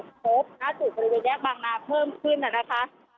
น่าสุดบริเวณแยกบางนานเพิ่มขึ้นน่ะนะคะ